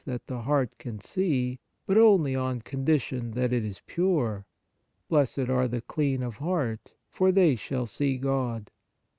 134 The Fruits of Piety see, but only on condition that it is pure :" Blessed are the clean of heart : for they shall see God."